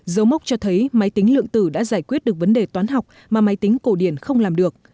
dấu mốc cho thấy máy tính lượng tử đã giải quyết được vấn đề toán học mà máy tính cổ điển không làm được